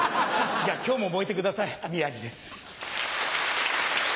いや今日も燃えてください宮治です。